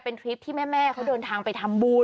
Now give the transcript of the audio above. เป็นทริปที่แม่เขาเดินทางไปทำบุญ